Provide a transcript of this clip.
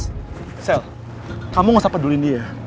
sell kamu gak usah pedulin dia